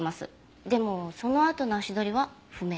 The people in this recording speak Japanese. でもそのあとの足取りは不明。